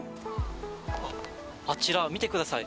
あちら、見てください。